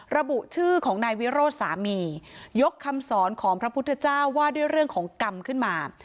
ระบุชื่อของนายวิโรธสามียกคำสอนของพระพุทธเจ้าว่าด้วยเรื่องของกรรมขึ้นมา